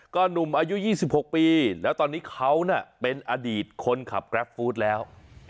ก็หนุ่มอายุ๒๖ปีแล้วตอนนี้เขาน่ะเป็นอดีตคนขับกราฟฟู้ดแล้ว